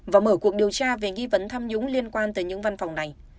và mở cuộc điều tra về nghi vấn tham nhũng liên quan tới những văn phòng này